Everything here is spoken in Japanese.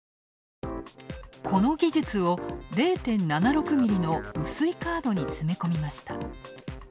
この技術を０．７６ｍｍの薄いカードに詰め込みました。